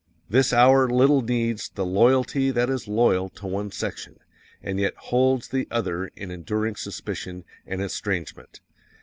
_ This hour little needs the _LOYALTY THAT IS LOYAL TO ONE SECTION and yet holds the other in enduring suspicion and estrangement.